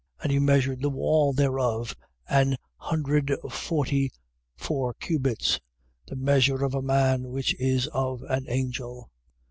21:17. And he measured the wall thereof an hundred forty four cubits, the measure of a man, which is of an angel.